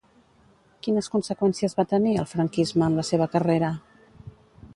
Quines conseqüències va tenir, el franquisme, en la seva carrera?